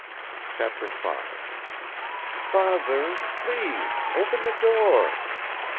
CHAPTER V "Father please open the door!"